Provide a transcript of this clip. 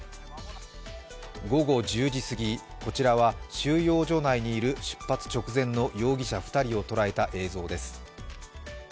午後１０時過ぎ、こちらは収容所内にいる出発直前の容疑者２人をとらえた映像です。